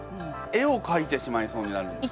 絵をかいてしまいそうになるんです。